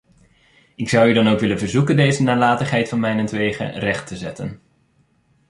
Ik zou u dan ook willen verzoeken deze nalatigheid van mijnentwege recht te zetten.